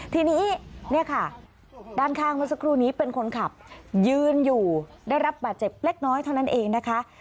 ทีนี้เนี่ยค่ะด้านข้างเมื่อสักครู่นี้เป็นคนขับยืนอยู่ได้รับบาดเจ็บเล็กน้อยเท่านั้นเองนะคะ